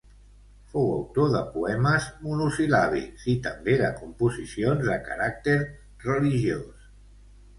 Fou autor de poemes monosil·làbics i també de composicions de caràcter religiós.